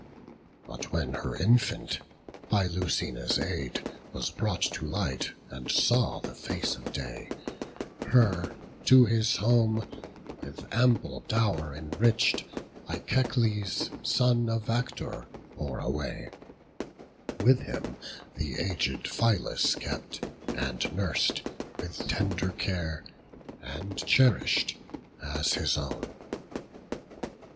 But when her infant, by Lucina's aid, Was brought to light, and saw the face of day, Her to his home, with ample dow'r enrich'd, Echecles, son of Actor, bore away; While him the aged Phylas kept, and nurs'd With tender care, and cherish'd—as his own.